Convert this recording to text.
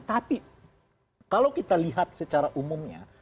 tapi kalau kita lihat secara umumnya